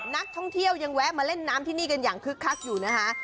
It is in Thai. นักท่องเที่ยวยังแวะมาเล่นน้ำที่นี่กันอย่างคึกคักอยู่นะคะ